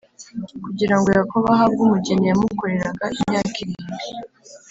Kugira ngo Yakobo ahabwe umugeni yamukoreraga imyaka irindwi